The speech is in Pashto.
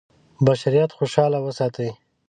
بشریت خوشاله وساتي.